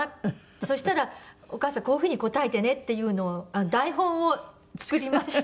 そしたらお母さんこういう風に答えてねっていうのを台本を作りまして。